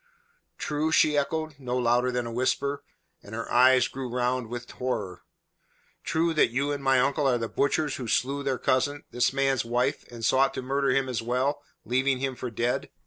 "True?" she echoed, no louder than a whisper, and her eyes grew round with horror. "True that you and my uncle are the butchers who slew their cousin, this man's wife, and sought to murder him as well leaving him for dead?